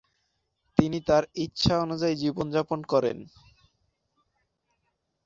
তিনি তার ইচ্ছানুযায়ী জীবন যাপন করেন।